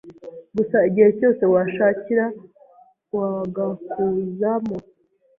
gusa igihe cyose washakira wagakuzamo